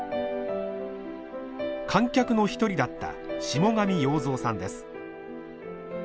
観客の一人だった下神洋造さんです。